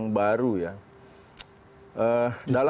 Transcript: ini bukan sesuatu yang baru ya